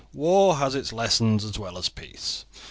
War has its lessons as well as Peace.